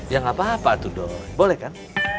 ya nggak apa apa tuh doi boleh kan